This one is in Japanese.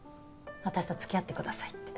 私と付き合ってくださいって。